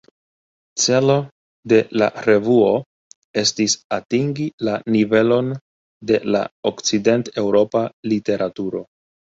Celo de la revuo estis atingi la nivelon de la okcident-Eŭropa literaturo.